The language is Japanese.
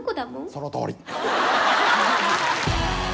そのとおり。